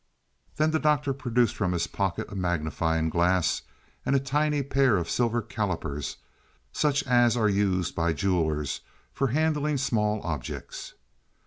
Then the Doctor produced from his pocket a magnifying glass and a tiny pair of silver callipers such as are used by jewelers for handling small objects.